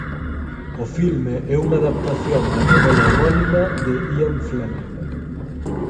O filme é unha adaptación da novela homónima de Ian Fleming.